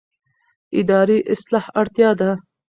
اداري اصلاح اړتیا ده